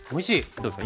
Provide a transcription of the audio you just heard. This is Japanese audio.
どうですか？